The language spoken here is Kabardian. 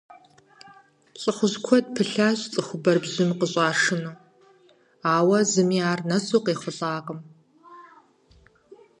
ЛӀыхъужь куэд пылъащ цӀыхубэр бжьым къыщӀашыну, ауэ зыми ар нэсу къехъулӀакъым.